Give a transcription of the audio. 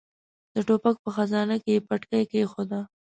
د ټوپک په خزانه کې يې پټاکۍ کېښوده.